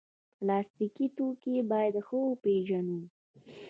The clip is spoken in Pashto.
پلاستيکي توکي باید ښه وپیژنو.